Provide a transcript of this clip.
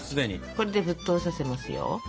これで沸騰させますよ。